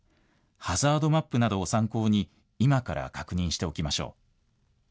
ハザードマップなどを参考に今から確認しておきましょう。